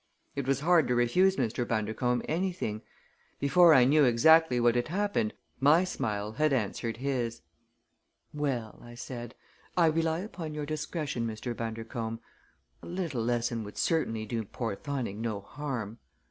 It was hard to refuse Mr. Bundercombe anything. Before I knew exactly what had happened, my smile had answered his. "Well," I said, "I rely upon your discretion, Mr. Bundercombe. A little lesson would certainly do Porthoning no harm."